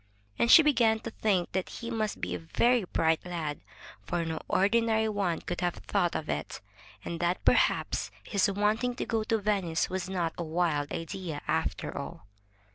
And she began to think that he must be a very bright lad, for no ordinary one would have thought of it, and that perhaps his wanting to go to Venice was not a wild 279 MY BOOK HOUSE idea after all.